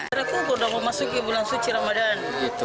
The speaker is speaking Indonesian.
kepada kubur dah mau masuk bulan suci ramadhan